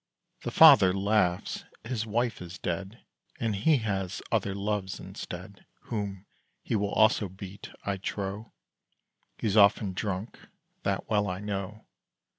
The father laughs: his wife is dead, And he has other loves instead, Whom he will also beat, I trow; He's often drunk, that well I know.